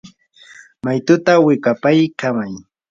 maytutaa wikapaykamay.